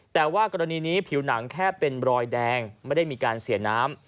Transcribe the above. แต่ว่ากรณีนี้ผิวหนังแค่เป็นรอยแดงไม่ได้มีการเสียน้ำ